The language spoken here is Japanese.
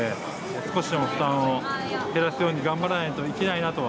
少しでも負担を減らすように頑張らないといけないなとは。